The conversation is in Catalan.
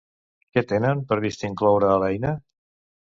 Què tenen previst incloure a l'eina?